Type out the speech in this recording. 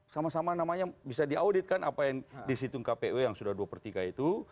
sama sama namanya bisa diauditkan apa yang di situng kpu yang sudah dua per tiga itu